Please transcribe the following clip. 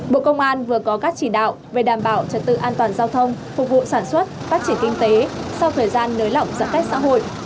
bộ công an vừa có các chỉ đạo về đảm bảo trật tự an toàn giao thông phục vụ sản xuất phát triển kinh tế sau thời gian nới lỏng giãn cách xã hội